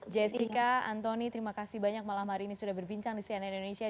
jessica antoni terima kasih banyak malam hari ini sudah berbincang di cnn indonesia